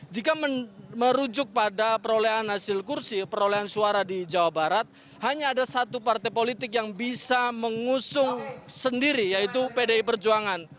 jika merujuk pada perolehan hasil kursi perolehan suara di jawa barat hanya ada satu partai politik yang bisa mengusung sendiri yaitu pdi perjuangan